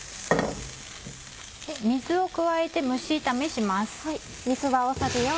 水を加えて蒸し炒めします。